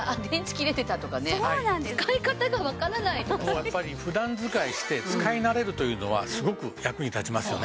やっぱり普段使いして使い慣れるというのはすごく役に立ちますよね。